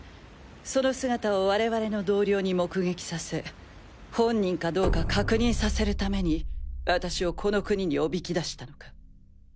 その姿を我々の同僚に目撃させ本人かどうか確認させるために私をこの国におびき出したのか。